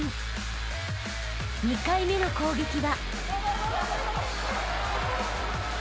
［２回目の攻撃は］